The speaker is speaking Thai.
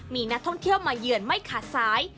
มีนักท่องเที่ยวมาเยือนไม่ขาดสาย